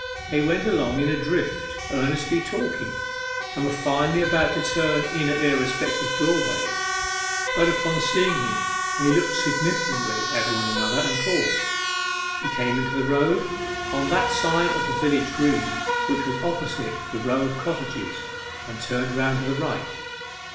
They went along in a drift, earnestly talking, and were finally about to turn in at their respective doorways. But upon seeing him they looked significantly at one another, and paused. He came into the road, on that side of the village green which was opposite the row of cottages, and turned round to the right.